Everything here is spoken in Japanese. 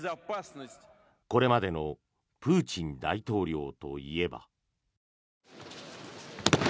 これまでのプーチン大統領といえば。